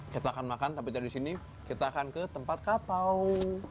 kita akan makan tapi dari sini kita akan ke tempat kapau